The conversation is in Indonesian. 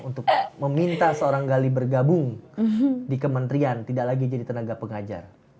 untuk meminta seorang gali bergabung di kementerian tidak lagi jadi tenaga pengajar